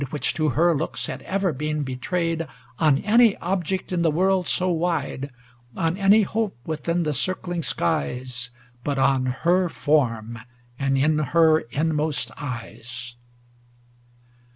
Which to her looks had ever been betrayed, On any object in the world so wide. On any hope within the circling skies. But on her form, and in her inmost eyes.